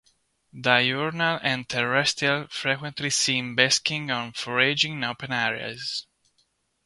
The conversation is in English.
Diurnal, and terrestrial, frequently seen basking or foraging in open areas.